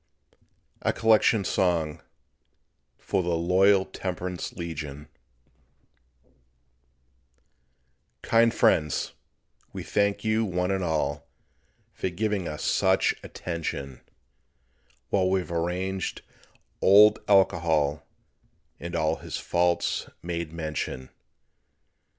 A COLLECTION SONG FOR THE LOYAL TEMPERANCE LEGION Kind friends, we thank you, one and all, For giving such attention, While we've arraigned Old Alcohol, And of his faults made mention.